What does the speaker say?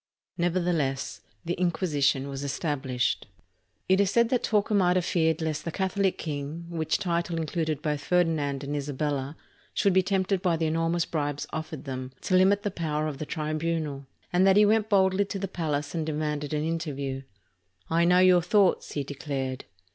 Nevertheless, the Inquisition was established. It is said that Torquemada feared lest "the Catholic king" — which title included both Ferdinand and Isabella — should be tempted by the enormous bribes offered them to limit the power of the tribunal; and that he went boldly to the palace and demanded an interview. "I know your thoughts," he declared.